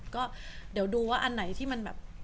ก็ผ่านเวลาไปได้หัวไว้